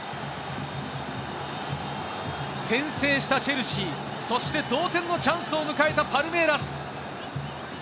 先制したチェルシー、そして同点のチャンスを迎えたパルメイラス。